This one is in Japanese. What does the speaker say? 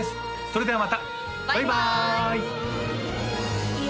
それではまたバイバーイ！